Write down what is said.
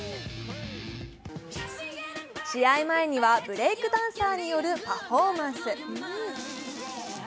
試合前にはブレイクダンサーによるパフォーマンス。